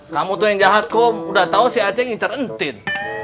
kamu tuh yang jahat kum udah tau si aceh ngincer ntintin